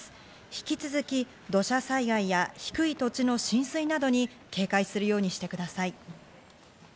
引き続き土砂災害や低い土地の浸水などに警戒するようにしてください。